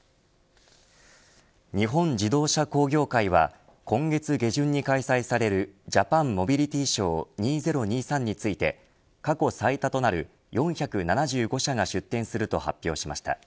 日本自動車工業会は今月下旬に開催されるＪＡＰＡＮＭＯＢＩＬＩＴＹＳＨＯＷ２０２３について過去最多となる４７５社が出展すると発表しました。